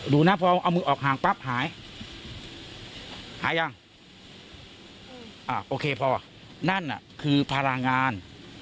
ดูนะพอเอามือออกห่างปั๊บหายหายยังอ่าโอเคพอนั่นน่ะคือพลังงาน